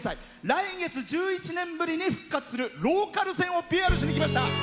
来月１１年ぶりに復活するローカル線をＰＲしにきました。